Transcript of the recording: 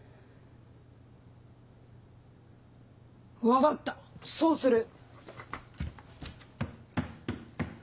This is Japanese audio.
分かったそうする。